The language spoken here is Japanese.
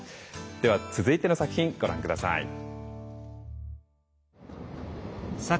では続いての作品ご覧下さい。